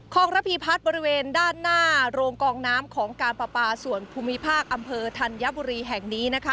ของระพีพัฒน์บริเวณด้านหน้าโรงกองน้ำของการปลาปลาส่วนภูมิภาคอำเภอธัญบุรีแห่งนี้นะคะ